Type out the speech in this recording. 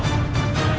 aku akan menang